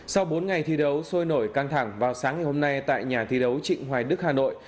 sau bốn ngày thi đấu sôi nổi căng thẳng vào sáng ngày hôm nay tại nhà thi đấu trịnh hoài đức hà nội